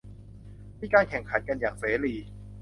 มีการแข่งขันกันอย่างเสรี